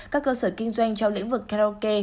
các cơ sở kinh doanh trong lĩnh vực karaoke